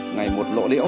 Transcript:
ngày một lộ điệu